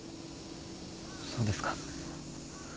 そうですか。